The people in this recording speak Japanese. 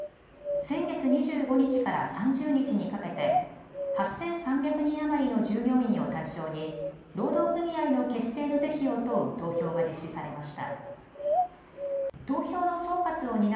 先月２５日から３０日にかけて８３００人余りの従業員を対象に労働組合の結成の是非を問う投票が実施されました。